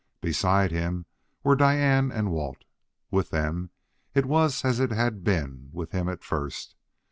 Beside him were Diane and Walt. With them, it was as it had been with him at first.